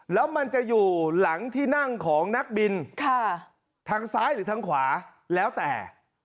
แล้วมันจะอยู่หลังที่นั่งของนักบินทางซ้ายหรือทางขวาแล้วแต่